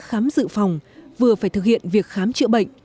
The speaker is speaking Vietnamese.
khám dự phòng vừa phải thực hiện việc khám chữa bệnh